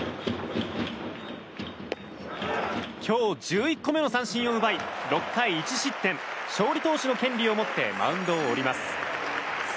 今日１１個目の三振を奪い６回１失点勝利投手の権利を持ってマウンドを降ります。